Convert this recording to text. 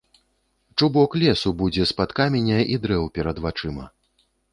Чубок лесу будзе з-пад каменя і дрэў перад вачыма.